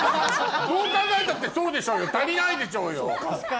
どう考えたってそうでしょうよ足りないでしょうよ。